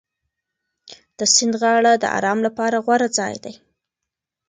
د سیند غاړه د ارام لپاره غوره ځای دی.